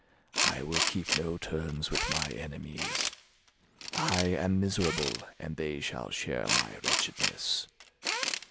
I will keep no terms with my enemies. I am miserable, and they shall share my wretchedness.